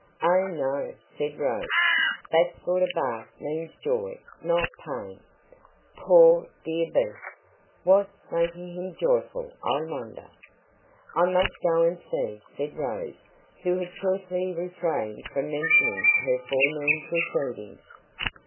"Oh, no," said Rose; "that sort of bark means joy, not pain." "Poor, dear beast! What's making him joyful, I wonder?" "I must go up and see," said Rose, who had carefully refrained from mentioning her forenoon proceedings.